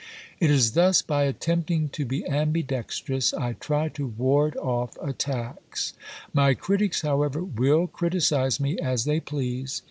It is thus by attempting to be ambidextrous, I try to ward off attacks. My critics, however, will criticise me as they please.